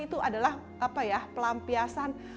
itu adalah apa ya pelampiasan